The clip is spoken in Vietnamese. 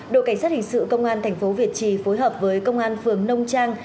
đội cảnh sát hình sự công an tp việt trì phối hợp với công an phường nông trang